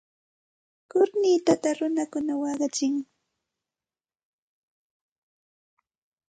Kurnitata runakuna waqachin.